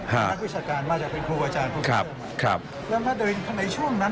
ฮะนักวิชาการมาจากเป็นครูอาจารย์ครับครับแล้วมาเตอร์วิทย์ข้างในช่วงนั้น